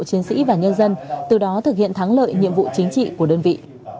chiến sĩ và nhân dân từ đó thực hiện thắng lợi nhiệm vụ chính trị của đơn vị